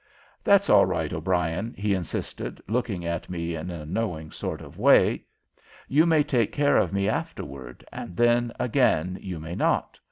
"That's all right, O'Brien," he insisted, looking at me in a knowing sort of way. "You may take care of me afterward, and then again you may not.